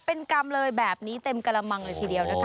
เป็นกรรมเลยแบบนี้เต็มกระมังเลยทีเดียวนะคะ